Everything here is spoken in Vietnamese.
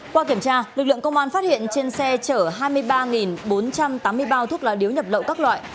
qua kiểm tra lực lượng công an phát hiện trên xe chở hai mươi ba bốn trăm tám mươi bao thuốc lá điếu nhập lậu các loại